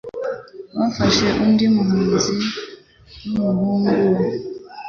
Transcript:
Bafashe undi muhinzi n'umuhungu we.